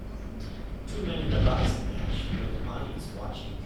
Two men are in a boxing match with an audience watching